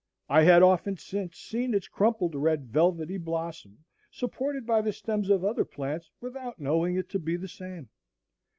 I had often since seen its crimpled red velvety blossom supported by the stems of other plants without knowing it to be the same.